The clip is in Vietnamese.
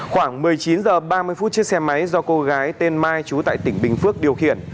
khoảng một mươi chín h ba mươi phút chiếc xe máy do cô gái tên mai chú tại tỉnh bình phước điều khiển